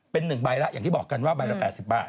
เป็นหนึ่งใบละอย่างที่บอกกันว่าใบละ๘๐บาท